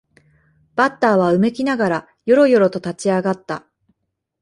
バッターはうめきながらよろよろと立ち上がった